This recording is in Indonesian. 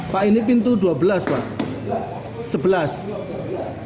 pak ini pintu dua belas pak